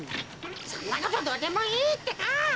そんなことどうでもいいってか！